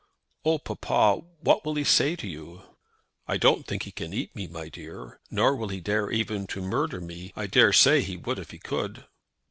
"Oh, papa, what will he say to you?" "I don't think he can eat me, my dear; nor will he dare even to murder me. I daresay he would if he could."